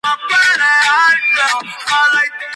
Tradicionalmente se dividen en tres grupos.